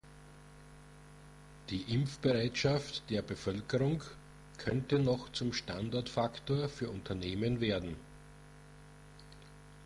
Die Impfbereitschaft der Bevölkerung könnte noch zum Standortfaktor für Unternehmen werden.